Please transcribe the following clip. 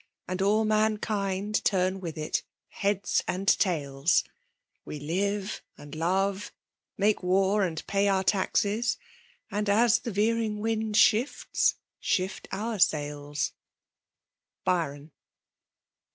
And all mankind turn with it — heads and tails ; We live and love — make war and pay oar taxes ; And» as the veering wind shifts, — shift cnir sails. Byaon.